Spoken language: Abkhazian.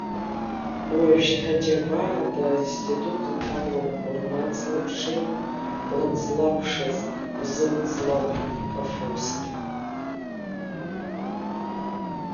Уажәшьҭа џьабаада аинститут иҭало урмацлабшеи, уанцлабшаз узымцлабит, аф уст!